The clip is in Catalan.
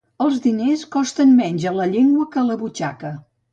Els diners costen menys a la llengua que a la butxaca.